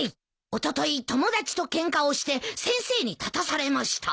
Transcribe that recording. おととい友達とケンカをして先生に立たされました。